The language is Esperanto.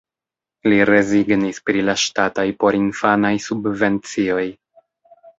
Li rezignis pri la ŝtataj porinfanaj subvencioj.